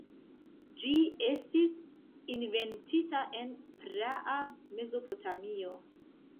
Ĝi estis inventita en praa Mezopotamio.